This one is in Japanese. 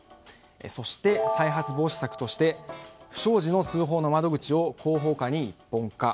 そして再発防止策として不祥事の通報の窓口を広報課に一本化。